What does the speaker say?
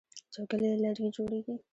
چوکۍ له لرګي جوړیږي.